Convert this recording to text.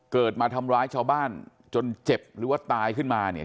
มาทำร้ายชาวบ้านจนเจ็บหรือว่าตายขึ้นมาเนี่ย